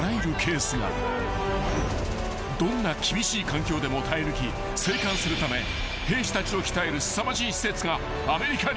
［どんな厳しい環境でも耐え抜き生還するため兵士たちを鍛えるすさまじい施設がアメリカにある］